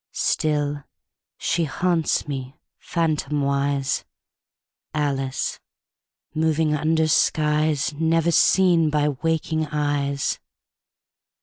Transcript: Still she haunts me, phantomwise Alice moving under skies Never seen by waking eyes.